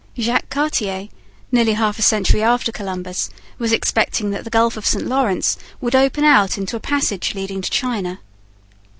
Jacques Cartier, nearly half a century after Columbus, was expecting that the Gulf of St Lawrence would open out into a passage leading to China.